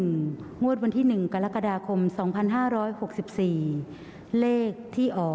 คุณผู้ชมแม่น้ำหนึ่งเนี่ยระบายออกมาแบบอันอันที่สุด